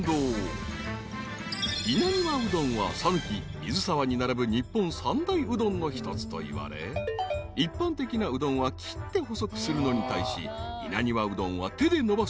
［稲庭うどんは讃岐水沢に並ぶ日本三大うどんの一つといわれ一般的なうどんは切って細くするのに対し稲庭うどんは手で延ばすのが特徴］